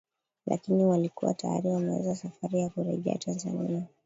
lakini walikuwa tayari wameanza safari ya kurejea Tanzania